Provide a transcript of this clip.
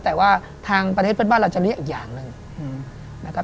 แต่ว่าทางประเทศเพื่อนบ้านเราจะเรียกอีกอย่างหนึ่งนะครับ